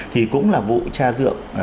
thì cũng là vụ cha dượng